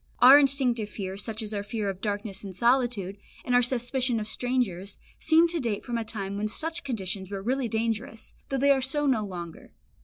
Our instinctive fears, such as our fear of darkness and solitude, and our suspicion of strangers, seem to date from a time when such conditions were really dangerous, though they are so no longer.